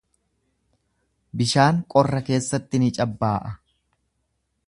Bishaan qorra keessatti ni cabbaa'a.